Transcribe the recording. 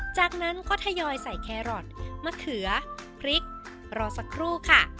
จากนั้นก็ทยอยใส่แครอทมะเขือพริกรอสักครู่ค่ะ